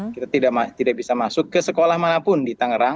kita tidak bisa masuk ke sekolah manapun di tangerang